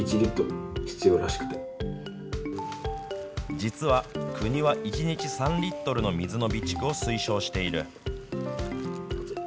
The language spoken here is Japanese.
実は、国は１日３リットルの水の備蓄を推奨している。